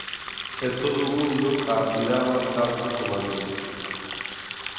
E todo o mundo a admiraba tanto coma min.